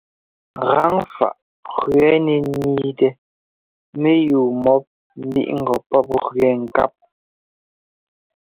Gaŋfaꞌ gẅɛɛ nɛ niitɛ mɛnu mɔ́p mbiꞌŋgɔ pɔ́p gẅɛɛ ŋkáp.